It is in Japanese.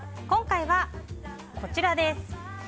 今回はこちらです。